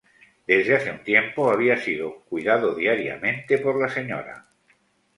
Desde hace un tiempo, había sido cuidado diariamente por la Sra.